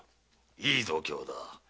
いい度胸だ。